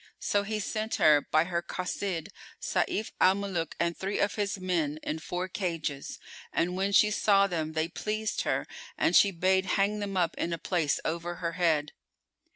So he sent her, by her Cossid,[FN#404] Sayf al Muluk and three of his men in four cages; and, when she saw them, they pleased her and she bade hang them up in a place over her head.